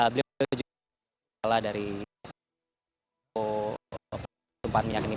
beliau juga juga adalah dari tim yang menanggung tumpahan minyak ini